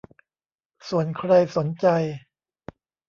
ส่วนใครสนใจ